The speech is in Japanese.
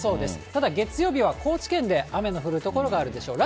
ただ月曜日は、高知県で雨の降る所があるでしょう。